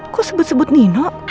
kok sebut sebut nino